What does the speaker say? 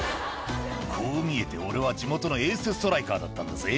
「こう見えて俺は地元のエースストライカーだったんだぜ」